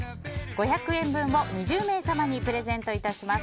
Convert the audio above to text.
５００円分を２０名様にプレゼントいたします。